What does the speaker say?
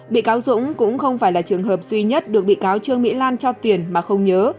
bị cáo dũng cũng không phải là trường hợp duy nhất được bị cáo trương mỹ lan cho tiền mà không nhớ